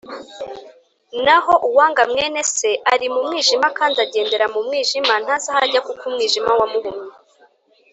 naho uwanga mwene Se ari mu mwijima kandi agendera mu mwijima, ntazi aho ajya kuko umwijima wamuhumye.